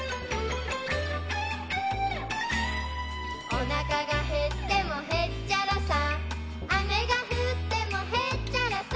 「おなかがへってもへっちゃらさ」「雨が降ってもへっちゃらさ」